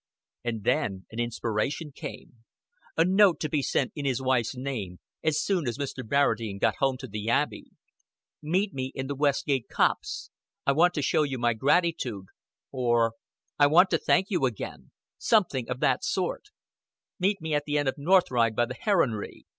And then an inspiration came. A note to be sent in his wife's name, as soon as Mr. Barradine got home to the Abbey. "Meet me in the West Gate copse. I want to show my gratitude" or "I want to thank you again" something of that sort. "Meet me at the end of North Ride by the Heronry.